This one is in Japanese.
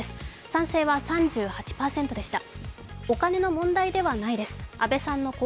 賛成は３８％でした。